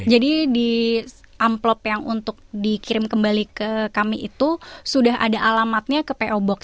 jadi di amplop yang untuk dikirim kembali ke kami itu sudah ada alamatnya ke po box